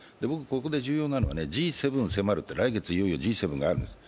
ここで重要なのは、来月いよいよＧ７があるんです。